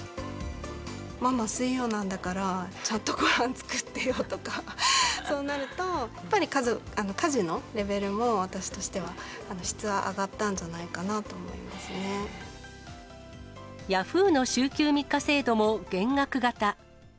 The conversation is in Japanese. ママ、水曜なんだからちゃんとごはん作ってよとか、そうなると、やっぱり家事のレベルも私としては質は上がったんじゃないかなとヤフーの週休３日制度も減額型。